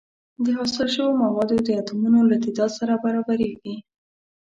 د حاصل شوو موادو د اتومونو له تعداد سره برابریږي.